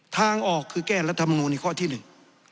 ทางออกคือแก้รัฐมนูลในข้อที่หนึ่ง